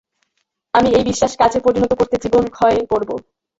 আমি এই বিশ্বাস কাজে পরিণত করতে জীবনক্ষয় করব।